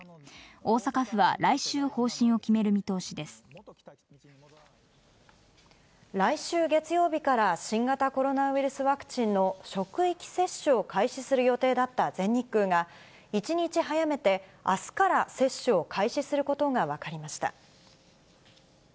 大阪府は、来週方針を決める見通来週月曜日から、新型コロナウイルスワクチンの職域接種を開始する予定だった全日空が、１日早めてあすから接種を開始することが分かりました。